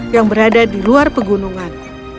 yang berada di luar pegunungan